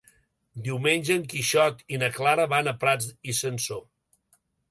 Diumenge en Quixot i na Clara van a Prats i Sansor.